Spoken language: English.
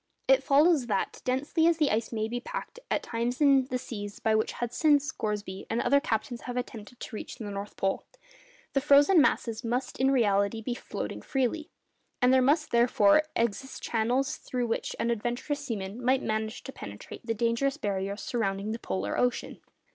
It follows that, densely as the ice may be packed at times in the seas by which Hudson, Scoresby, and other captains have attempted to reach the North Pole, the frozen masses must in reality be floating freely, and there must therefore exist channels through which an adventurous seaman might manage to penetrate the dangerous barriers surrounding the polar ocean.